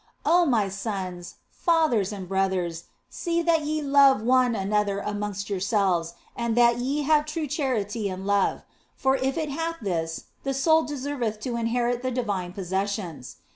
" Oh my sons, fathers and brothers, see that ye love one another amongst yourselves and that ye have true charity and love ; for if it hath this, the soul deserveth to inherit the divine possessions.